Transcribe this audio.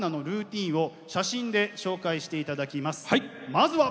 まずは！